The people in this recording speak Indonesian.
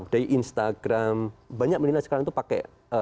dari instagram banyak menilai sekarang itu pakai